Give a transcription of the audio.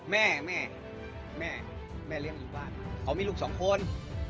แม่แม่แม่เลี้ยงอยู่บ้านเขามีลูกสองคน